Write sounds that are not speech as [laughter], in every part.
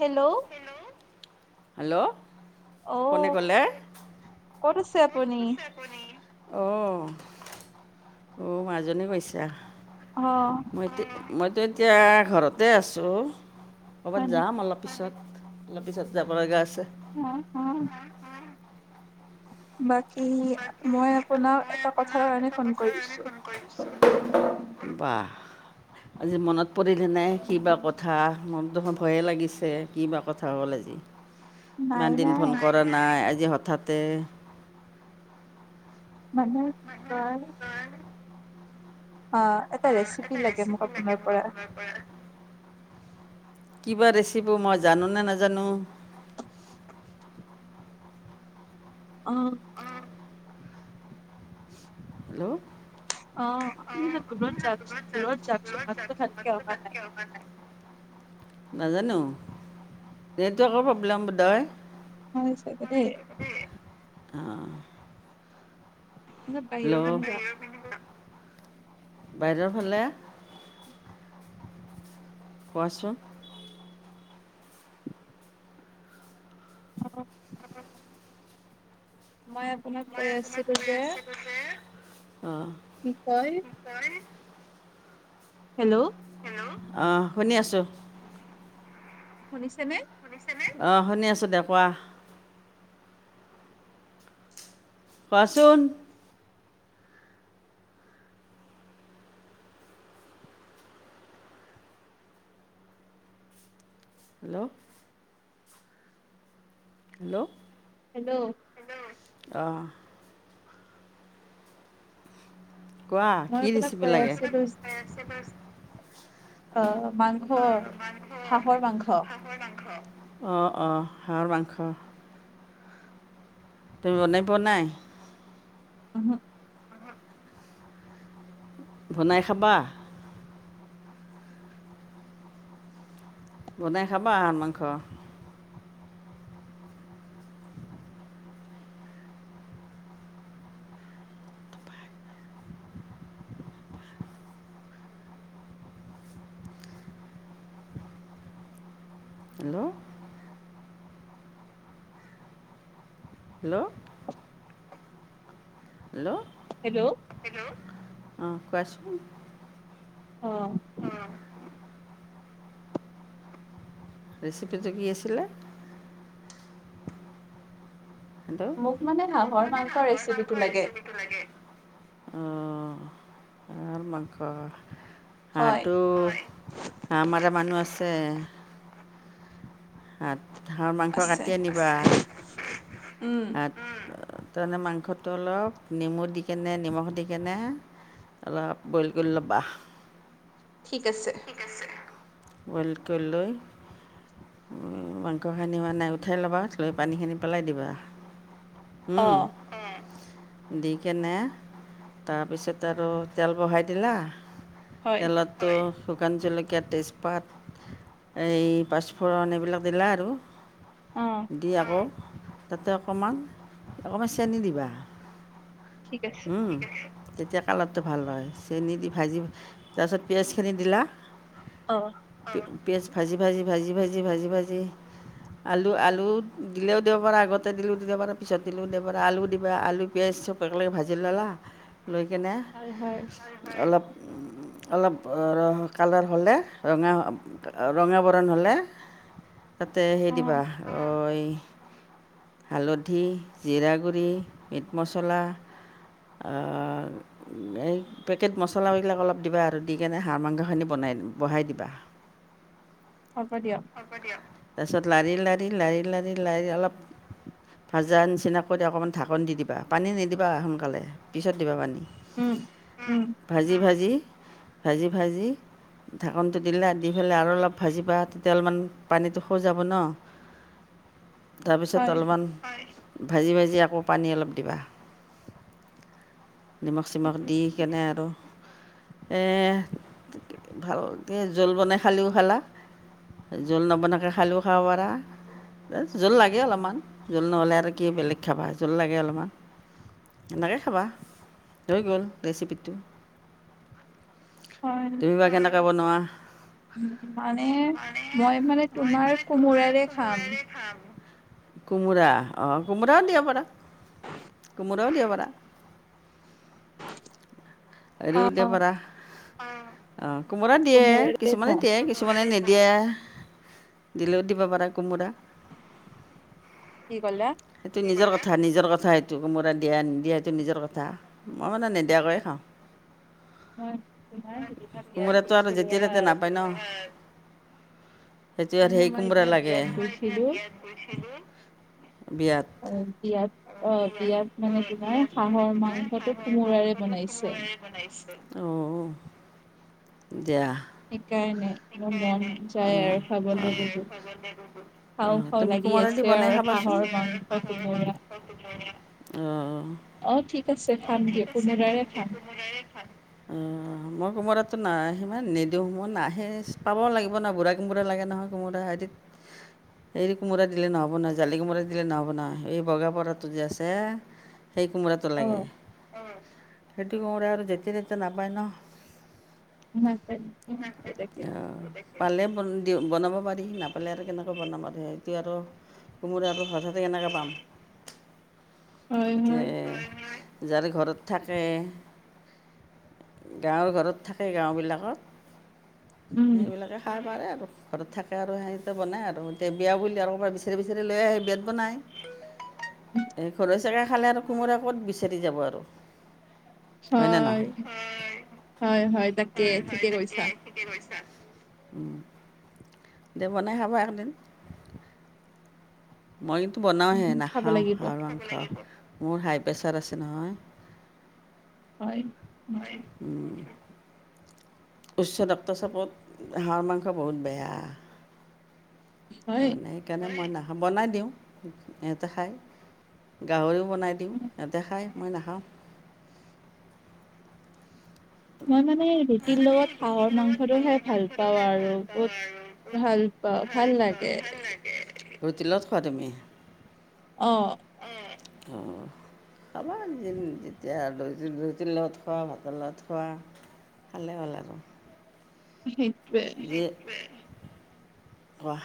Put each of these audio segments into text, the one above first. Hello! Hello অ কোনে ক'লে? ক'ত আছে আপুনি? অ অ মাজনী কৈছা অ মইত মইতো এতিয়া ঘৰতে আছোঁ ক'বাত হয় নেকি যাম অলপ পিছত অলপপিছত যাব লগা আছে অ অ বাকী মই আপোনাক এটা কথাৰ কাৰণে ফ'ন কৰিছোঁ বাহ আজি মনত পৰিলে নে কিবা কথা মন দেখোন ভয়ে লাগিছে কিবা কথা হ'ল আজি নাই ইমান দিন নাই ফ'ন কৰা নাই আজি হঠাতে মানে আ এটা ৰেচিপি লাগে মোক আপোনাৰ পৰা পৰা কিবা ৰেচিপি মই জানোনে নাজানো অ হেল্ল' অ, আপুনি দূৰত যাওকচোন দূৰত যাওকচোন মাতো ভালকে আহা অ নাই। হা নাই [unintelligible] নাজানো নেটৱাকৰ প্ৰব্লেম বোধই। হয় চাগে দেই। আহ, ম [unintelligible] হেল্ল' বাহিৰৰ ফালে, কোৱাচোন? অ [unintelligible] মই আপোনাক কৈ আছিলো যে, অ', কি কয়? হেল্ল', আহ, শুনি আছো। শুনিছেনে? অ, শুনি আছো দে কোৱা? কোৱাচোন? হেল্ল', হেল্ল', হেল্ল', অ', কোৱা মই কি আপোনাক ৰেচিপি কৈ লাগে? আছিলো অ, মাংসৰ হাঁহৰ মাংস। কিহৰ মাংস? অ, অ, হাঁৰ মাংস। তুমি বনাই পোৱা নাই। উ, হম। বনাই খাবা। বনাই খাবা আৰু মাংস। হেল্ল', হেল্ল', হেল্ল', হেল্ল', অঁ, কোৱাচোন? অ', ৰেচিপিটো কি আছিলে? হেল্ল', মোক মানে হাঁহৰ মাংস ৰেচিপিটো লাগে। অ, হাহৰ মাংস। হয় হাঁহটো হাঁহ মৰা মানুহ আছে। হাত হাঁহৰ মাংস আছে কাটি আনিবা। উম তাৰমানে মাংসটো অলপ নেমু দি কেনে নিমখ দি কেনে। অলপ বইল কৰি ল'বা। ঠিক আছে। বইল কৰি লৈ উম, মাংসখিনি মানে নাই উঠাই ল'বা লৈ পানীখিনি পেলাই দিবা। অ উম, দি কেনে। তাৰপিছত আৰু তেল বহাই দিলা। হয় তেলতো শুকান জলকীয়া তেজ পাত এই পাঁচপুৰণ এইবিলাক দিলা আৰু। অঁ দি আকৌ তাতে অকণমান অকণমান চেনি দিবা। ঠিক আছে। উম তেতিয়া কালাৰটো ভাল হয় চেনি দি ভাজি তাৰপিছত পিয়াজখিনি দিলা। অঁ। পিয়াজ ভাজি ভাজি ভাজি ভাজি ভাজি ভাজি। আলু আলু দিলেও দিও পাৰা আগতে দিলো দিব পাৰা পিছত দিলো দিও পাৰা আলু দিবা আলু পিয়াজ চব- অকলে ভাজি ল'লা লৈ কিনে হয় হয় অলপ- অলপ কালাৰ হ'লে ৰঙা ৰঙা বৰণ হ'লে। তাতে হেৰি অ দিবা অঐ- হালধি জিৰা গুড়ি মিট মছলা। অঁ। এই পেকেট মছলা এইবিলাক অলপ দিবা আৰু দি কেনে হাঁহ মাংসখিনি বনাই বঢ়াই দিবা। [inaudible] হ'ব দিয়ক। হ'ব দিয়ক তাৰপিছত লাৰি লাৰি লাৰি লাৰি লাৰি অলপ। ভাজা নিচিনা কৰি অকমান ঢাকন দি দিবা পানী নিদিবা সোনকালে পিছত দিবা পানী। উম। উম ভাজি ভাজি ভাজি ভাজি। ঢাকনটো দিলে দি পেলাই আৰু অলপ ভাজিবা তেতিয়া তেলমান পানীটো শ যাব ন। হয় তাৰপিছত অলপমান, হয় ভাজি ভাজি আকৌ পানী অলপ দিবা। নিমখ ঠিক চিমখ দি আছে কেনে আৰু এ- ভালকে জোল বনাই খালিও খালা। জোল নবনাকে খালেও খাব পাৰা। জোল লাগে অলপমান, জোল নহ'লে আৰু কি বেলেগ খাবা জোল লাগে অলপমান। এনেকৈ খাবা গ'ল ৰেচিপিটো। হয়। তুমি বা কেনেকৈ বনোৱা। মানে মই মানে তোমাৰ কোমোৰাৰে খাম। কোমোৰা অ কোমোৰাও দিব পাৰা। কোমোৰাও দিব পাৰা। হেৰিও দিব পাৰা, অ কোমোৰা দিয়ে কোমোৰাৰে কিছুমানে খাম দিয়ে। কিছুমানে নিদিয়ে দিলেওঁ দিব পাৰা কোমোৰা। কি কলা। সেইটো নিজৰ কথা নিজৰ কথা সেইটো কোমোৰা দিয়া নি দিয়া সেটো নিজৰ কথা। মই মানে নিদিয়াকৈয়ে খাওঁ মই তোমাৰ হয়, সিদিনা বিয়াত কোমোৰাটো আৰু গৈছিলো যেতিয়াই হা তেতিয়া নাপায় ন সেইটো আৰু মানে হেই মই কোমোৰা সিদিনা লাগে, বিয়াত গৈছিলো বিয়াত- অঁ বিয়াত অঁ বিয়াত মানে তোমাৰ হাঁহৰ মাংসটো কোমোৰাৰে বনাইছে। আহঁ দিয়া। সেইকাৰণে মোৰ মন যায় আৰু খাবলে বহুত। [unintelligible] খাওঁ খাওঁ তুমি লাগি কোমোৰা দি আছে বনাই আৰু হাঁহৰ মাংস কোমোৰা। আহঁ অঁ ঠিক আছে খাম দিয়‌ক কোমোৰাৰে খাম। কোমোৰাৰে খাম। অঁ মই কোমোৰাতো না সিমান নিদিও মই নাহে পাব লাগিব ন বুঢ়া কোমোৰা লাগে নহয় কোমোৰা। হেৰি কোমোৰা দিলে নহ'ব না জালি কোমোৰা দিলে নহব না এই বগা পত- আছে সেই কোমোৰাটো অ লাগে। সেইটো কোমোৰা আৰু যেতিয়া তেতিয়া নাপায় ন তাকে [unintelligible] পালে বন দি বনাব পাৰি নাপালে আৰু কেনেকে বনাবা দে সেইটো আৰু কোমোৰাটো হঠাতে কেনেকে পাম হয় এতিয়া হয় এ যাৰে ঘৰত থাকে গাঁৱৰ ঘৰত থাকে গাঁওবিলাকত উম সেইবিলাকে খাই পাৰে আৰু ঘৰত থাকে আৰু সিহততে বনাই আৰু এতিয়া বিয়া বুলি আৰু ক'ৰবা বিচাৰি বিচাৰি লৈ আহে বিয়াত বনায় এই ঘৰে চাগে খালে আৰু কোমোৰা ক'ত বিচাৰি যাব আৰু হয়নে হয় নহয় হয় হয় তাকে ঠিকে কৈছা ঠিকে কৈছা উম দে বনাই খাবা একদিন মই কিন্তু বনাওঁহে উম, খাব নাখাওঁ লাগিব হাহঁৰ মাংস মোৰ হাই প্ৰেছাৰ আছে নহয় হয় [unintelligible] উম উচ্চ ৰক্তচাপত হাঁহৰ মাংস বহুত বেয়া হয় তাৰ মানে সেইকাৰণে মই নাখা বনাই দিওঁ সিহঁতে খাই গাহৰিও বনাই দিওঁ সিহঁতে খায় মই নাখাওঁ মই মানে ৰুটিৰ লগত হাহৰ মাংসটো খাই ভাল পাওঁ আৰু বহুত ভাল পা ভাল লাগে ৰুটি লগত খোৱা তুমি অ অ উম খাবা যে যেতিয়া ৰুটি লগত খোৱা ভাতৰ লগত খোৱা ভালে হল আৰু সেইটোৱে ৱাহ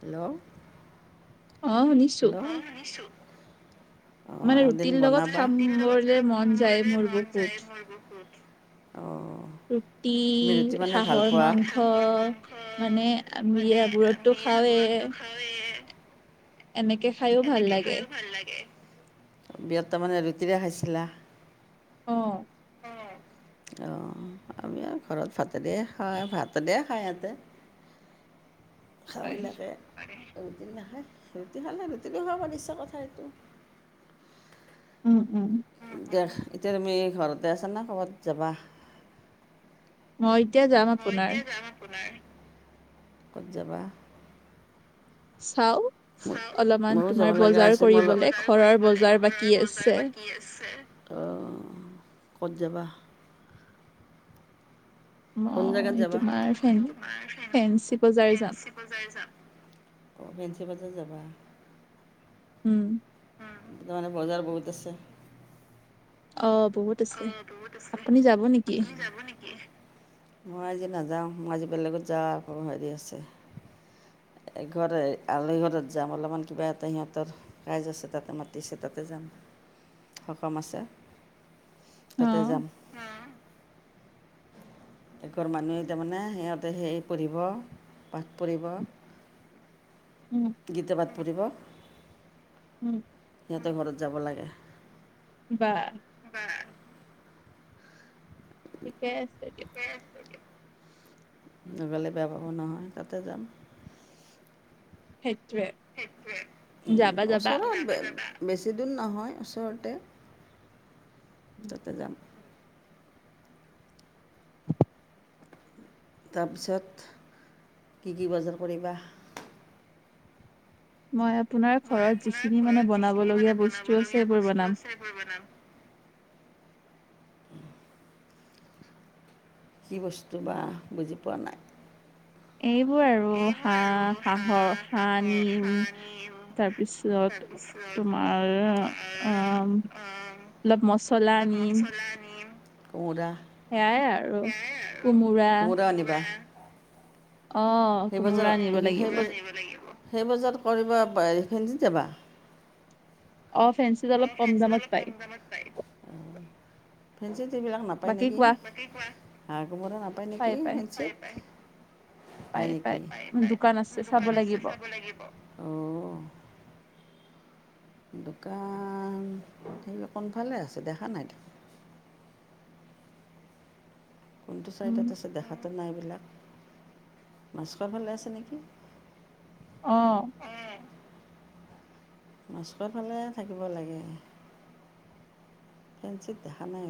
হেল্ল' অ শুনি হেল্ল অ শুনিছো মানে ৰুটিৰ লগত খামবলে মন যায় মোৰ বহুত হয় বহুত অ ৰুটি হাঁহৰ মাংস মানে আমি ইয়াবোৰত টো খাওৱে এনেকে খাইও ভাল এনেকে লাগে খাইও ভাল লাগে বিয়াত তাৰ মানে ৰুটিৰে খাইছিলা অঁ অ অ আমি আৰু ঘৰত ভাতে দিয়ে খাই ভাতে দিয়ে খাই ইহতে খাও হয়। বিলাকে ৰুটি নাখায় ৰুটি খালে ৰুটিৰো খাব পাৰে ইচ্ছাৰ কথা এইটো উম উম দে এতিয়া তুমি ঘৰতে আছা না কৰ'বাত যাবা মই এতিয়া যাম আপোনাৰ কত যাবা চাও চাওঁ অলপমান ময়ো যাব তোমাৰ লগা বজাৰ আছিল কৰিবলে বজাৰ ঘৰৰ কৰিবলে বজাৰ বাকী ঘৰৰ বজাৰ আছে বাকী আছে অ ক'ত যাবা কোন জেগাত মই যাবা তোমাৰ ফেন ফেঞ্চি বজাৰ যাম বজাৰ যাম অ ফেঞ্চি বজাৰ যাবা উম উম তাৰ মানে বজাৰ বহুত আছে অ বহুত আছে আপুনি যাব নেকি? মই আজি নাযাওঁ মই আজি বেলেগত যাওঁ আকৌ হেৰি আছে এঘৰে আলহি ঘৰত যাম অলপমান কিবা এটা সিহঁতৰ ৰাইজ আছে তাতে মাতিছে তাতে যাম সকাম আছে অ তাতে যাম একঘৰ মানুহে তাৰমানে সিহঁতে সেই পঢ়িব পাঠ পঢ়িব উম গীত পাঠ পঢ়িব উম সিহঁতৰ ঘৰত যাব লাগে বা বা ঠিকেই আছে দিয়ক নগালে বেয়া পাব নহয় তাতে যাম সেইটোৱে সেইটোৱে উম ওচৰত যাবা যাবা বেছি দূৰ নহয় ওচৰতে তাতে যাম [unintelligible] তাৰপিছত কি কি বজাৰ কৰিবা মই আপোনাৰ ঘৰত যিখিনি মানে বনাবলগীয়া বস্তু আছে সেইবোৰ বনাম সেইবোৰ বনাম কি বস্তু বা বুজি পোৱা নাই এইবোৰ আৰু হাঁহ হাঁহৰ হাঁহ নিম তাৰপিছ তাৰপিছত অ তোমাৰ অ অলপ মছলা আনিম কহুদা সেয়াই আৰু কোমোৰা। কিয় আনিবা অ সেই কোমোৰা বজাৰ আনিব লাগিব সেই সেই বজাৰ কৰিব ফেঞ্চিত যাবা অ ফেঞ্চ অ ফেঞ্চিত অলপ কম দামত পাই ফেঞ্চিত এইবিলাক নাপায় বাকী নেকি কোৱা হাঁহ কোমোৰে নাপায় পাই নেকি ফেঞ্চিত পায় পায় দোকান আছে চাব লাগিব অ দোকান থাকিলে কণফালে আছে দেখা নাই। কোনটো উম ছাইডত আছে দেখাটো নাই এইবিলাক মাছখ ভালে আছে নেকি। অ উম। মাছখোৱা ফালে থাকিব লাগে ফেঞ্চিত দেখা নাই।